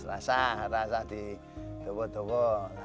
rasah rasah di dogo dogo